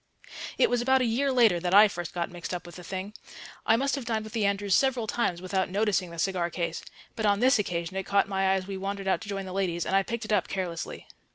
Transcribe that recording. It was about a year later that I first got mixed up with the thing. I must have dined with the Andrews several times without noticing the cigar case, but on this occasion it caught my eye as we wandered out to join the ladies, and I picked it up carelessly.